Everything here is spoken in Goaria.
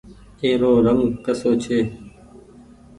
ايرو رنگ ڪسو ڇي۔